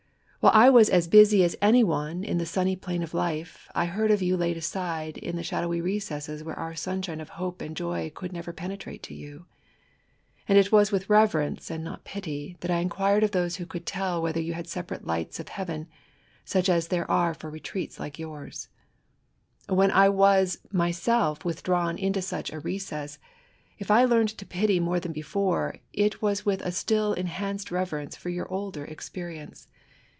While I was as busy as any one on the sunny plain of life, I heard of you laid aside in the shadowy recess where am* sunshine of hope and joy could never penetrate to you ; and it was with reverence, and not pity, that I inquired of those who could tell whether you had separate lights of heaven, such as there are for DEDICATION. IX retreats like yours* When I was myself with drawn into such a recess, if I learned to pity more than before, it was with a still enhanced reverence for your older experience.